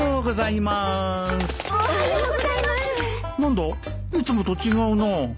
いつもと違うな